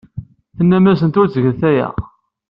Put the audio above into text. Tennam-asent ur ttgent aya.